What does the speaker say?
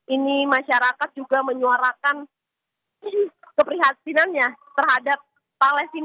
ini masyarakat juga menyuarakan keprihatinannya terhadap palestina